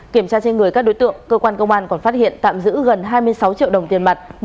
kiểm tra trên người các đối tượng cơ quan công an còn phát hiện tạm giữ gần hai mươi sáu triệu đồng tiền mặt